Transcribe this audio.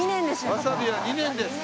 わさびは２年です。